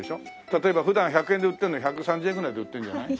例えば普段１００円で売ってるのに１３０円ぐらいで売ってるんじゃない？